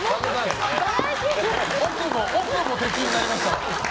奥も敵になりましたね。